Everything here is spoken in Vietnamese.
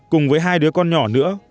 cùng với hai đứa con nhỏ nữa